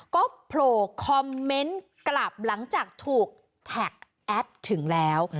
ก็โผล่คอมเมนต์กลับหลังจากถูกแท็กแอดถึงแล้ว